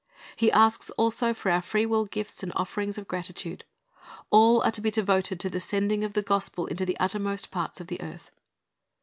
He asks also for our free will gifts and offerings of gratitude. All are to be devoted to the sending of the gospel unto the uttermost parts of the earth.